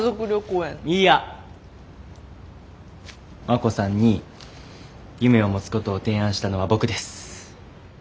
亜子さんに夢を持つことを提案したのは僕です。